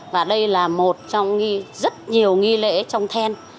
và đây là một trong rất nhiều nghi lễ trong then